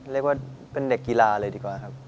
เรียกว่าเป็นเด็กกีฬาเลยดีกว่าครับ